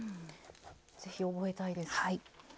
ぜひ覚えたいです。